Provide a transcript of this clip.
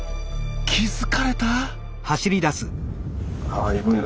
気付かれた？